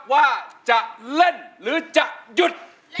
ว่าจะเล่นหรือจะหยุด